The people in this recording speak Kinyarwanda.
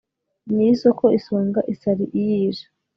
nyirisoko isonga isari iyije